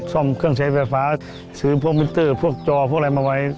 ซ่อมเครื่องใช้ไฟฟ้าซื้อพวกมิเตอร์พวกจอพวกอะไรมาไว้